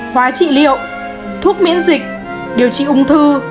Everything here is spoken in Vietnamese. hóa trị liệu thuốc miễn dịch điều trị ung thư